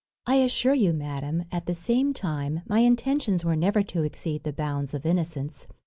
I assure you, madam, at the same time, my intentions were never to exceed the bounds of innocence.